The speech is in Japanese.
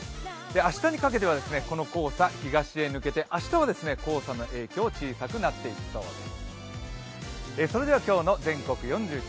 明日にかけてはこの黄砂、東へ抜けて明日は黄砂の影響、小さくなっていきそうです。